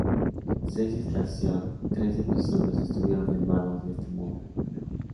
Seis estación tres episodios estuvieron filmados de este modo.